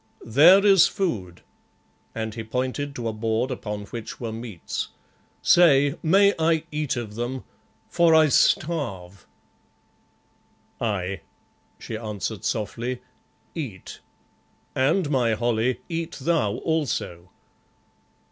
There is food," and he pointed to a board upon which were meats, "say, may I eat of them, for I starve?" "Aye," she answered softly, "eat, and, my Holly, eat thou also."